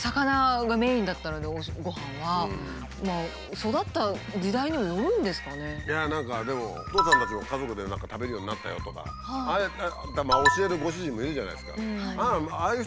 育ったいや何かでもおとうさんたちも家族で食べるようになったよとかああやって教えるご主人もいるじゃないですか。